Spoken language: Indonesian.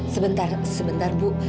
sebentar sebentar bu